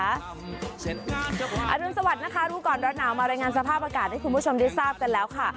อรุณสวัสดิ์นะคะรู้ก่อนร้อนหนาวมารายงานสภาพอากาศให้คุณผู้ชมได้ทราบกันแล้วค่ะ